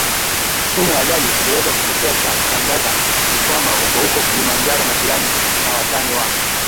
sumu ajali iliweza kutokea Cha kushangaza ni kwamba hukohuko Kilimanjaro majirani na watani wa